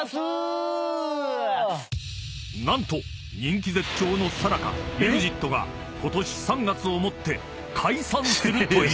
［何と人気絶頂のさなかＥＸＩＴがことし３月をもって解散するという］